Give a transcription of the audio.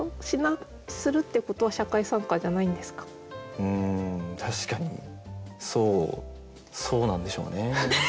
うん確かにそうなんでしょうね。